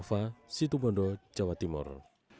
dan tahun kunjungan wisata dua ribu sembilan belas